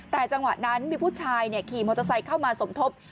แต่จังหวะนั้นมีผู้ชายขี่มอเตอร์ไซค์เข้ามาสมทบ